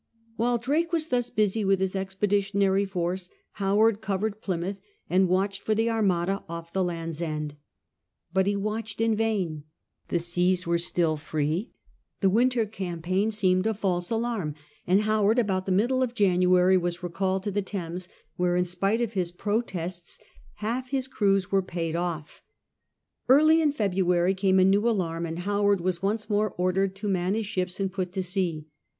While Drake was thus busy with his expeditionary force Howard covered Plymouth, and watched for the Armada off the Land's End. But he watched in vain. The seas were still free : the winter campaign seemed a false alarm ; and Howard, about the middle of January, was recalled to the Thames, where, in spite of his pro tests, half his crews were paid off. Early in February came^ a new alarm, and Howard was once more ordered to man his ships and put to sea.